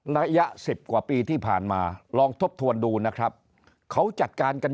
ระยะสิบกว่าปีที่ผ่านมาลองทบทวนดูนะครับเขาจัดการกัน